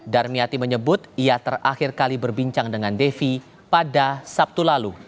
darmiati menyebut ia terakhir kali berbincang dengan devi pada sabtu lalu